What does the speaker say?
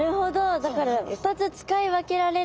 だから２つ使い分けられるんですね。